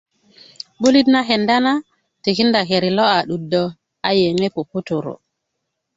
'bulit na kenda na tikinda keri lo a 'dudö a yeŋe puputuru'